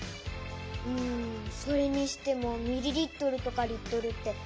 うんそれにしてもミリリットルとかリットルって。